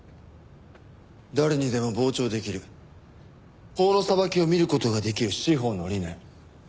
誰にでも傍聴できる法の裁きを見る事ができる司法の理念。